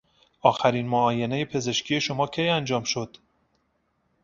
آخرین معاینهی پزشکی شما کی انجام شد؟